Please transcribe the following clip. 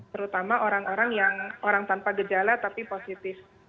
terutama orang orang yang orang tanpa gejala tapi positif